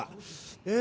え